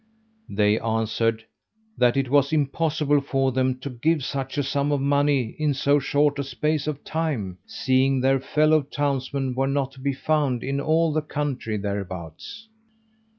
They answered, "that it was impossible for them to give such a sum of money in so short a space of time, seeing their fellow townsmen were not to be found in all the country thereabouts."